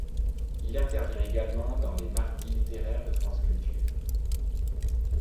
Il intervient également dans Les Mardis Littéraires de France Culture.